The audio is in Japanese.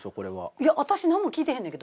いや私何も聞いてへんねんけど。